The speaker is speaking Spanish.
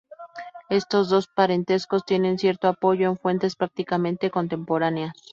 Estos dos parentescos tienen cierto apoyo en fuentes prácticamente contemporáneas.